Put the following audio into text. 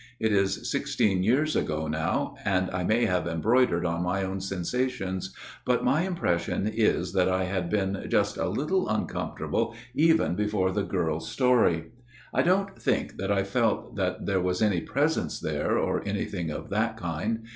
It is sixteen years ago now ; and I may have embroidered on my own sensations ; but my impression is that I had been just a little uncomfortable even before the girl's 294 A MIRROR OF SHALOTT story. I don't think that I felt that there was any presence there, or anything of that kind.